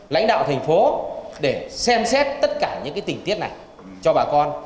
lãnh đạo thành phố để xem xét tất cả những tình tiết này cho bà con